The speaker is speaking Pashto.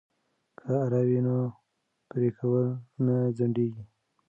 که اره وي نو پرې کول نه ځنډیږي.